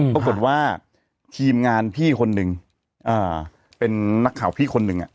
ปรากฏว่าทีมงานพี่คนหนึ่งเป็นนักข่าวพี่คนหนึ่ง